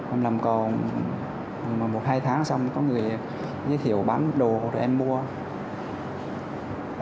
em làm còn một hai tháng xong có người giới thiệu bán đồ rồi em mua